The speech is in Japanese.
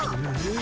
え？